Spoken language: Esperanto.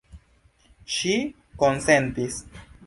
Ŝi konsentis.